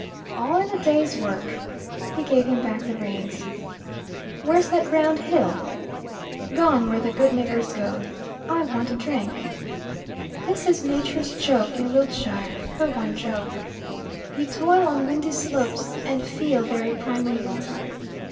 "All in the day's work." He gave him back the reins. "Where's that round hill?" "Gone where the good niggers go. I want a drink." This is Nature's joke in Wiltshire her one joke. You toil on windy slopes, and feel very primeval.